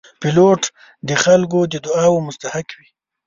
پیلوټ د خلکو د دعاو مستحق وي.